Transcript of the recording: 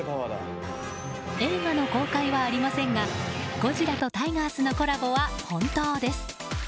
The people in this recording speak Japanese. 映画の公開はありませんがゴジラとタイガースのコラボは本当です。